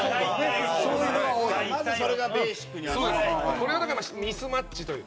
これは、だからミスマッチという。